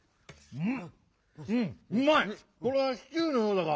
うん！